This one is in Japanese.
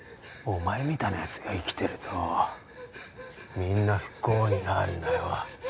お前みたいなやつが生きてるとみんな不幸になるんだよ